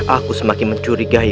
aku semakin mencurigai